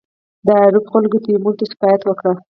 د آریوب خلکو تیمور ته شکایت وکړ.